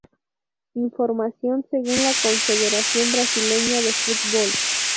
Información según la Confederación Brasileña de Fútbol.